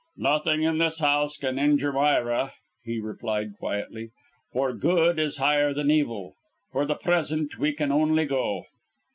"Nothing in this house can injure Myra," he replied quietly; "for Good is higher than Evil. For the present we can only go."